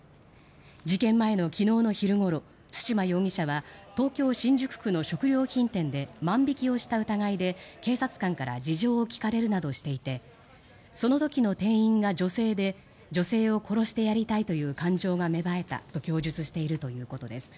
事件前の昨日の昼ごろ対馬容疑者は東京・新宿区の食料品店で万引きをした疑いで警察官から事情を聴かれるなどしていてその時の店員が女性で女性を殺してやりたいという感情が芽生えたと供述しているということです。